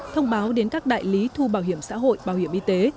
thông báo đến các đại lý thu bảo hiểm xã hội bảo hiểm y tế